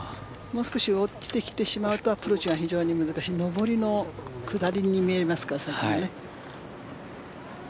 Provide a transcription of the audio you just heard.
もう少し落ちてきてしまうとアプローチが非常に難しい上りの下りに見えますからね。